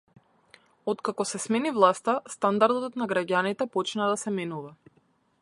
Откако се смени власта стандардот на граѓаните почна да се менува.